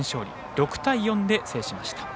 ６対４で制しました。